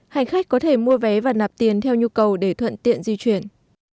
hành khách có thể mua vé và nạp tiền theo nhu cầu để thuận tiện di chuyển